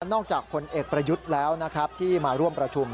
จากผลเอกประยุทธ์แล้วนะครับที่มาร่วมประชุม